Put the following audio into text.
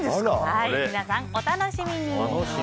皆さんお楽しみに。